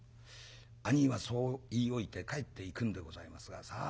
兄ぃはそう言い置いて帰っていくんでございますがさあ